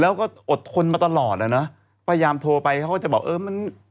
แล้วก็อดทนมาตลอดอ่ะเนอะพยายามโทรไปเขาก็จะบอกเออมัน